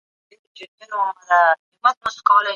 دا هم د معروف معاشرت برخه ده او دښه ژوند دوام ورسره تړلی دی.